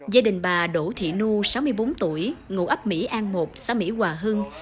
gia đình bà đỗ thị nu sáu mươi bốn tuổi ngụ ấp mỹ an một xã mỹ hòa hưng